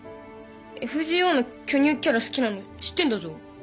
『ＦＧＯ』の巨乳キャラ好きなの知ってんだぞ。